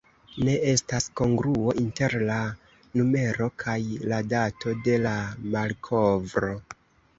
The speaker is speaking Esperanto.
Ne estas kongruo inter la numero kaj la dato de la malkovro.